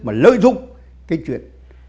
mà lợi dụng cái chuyện